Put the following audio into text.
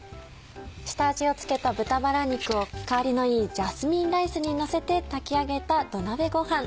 下味を付けた豚バラ肉を香りのいいジャスミンライスにのせて炊き上げた土鍋ごはん。